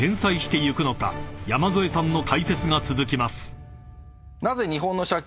［山添さんの解説が続きます］